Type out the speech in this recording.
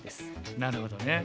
なるほどね。